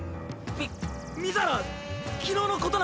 み水原昨日のことなんだけど。